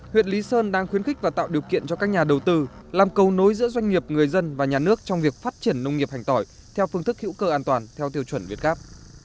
huyện lý sơn đang khuyến khích và tạo điều kiện cho các nhà đầu tư làm cầu nối giữa doanh nghiệp hành tỏi theo tiêu chuẩn việt gáp